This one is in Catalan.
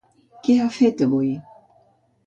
Què ha fet avui?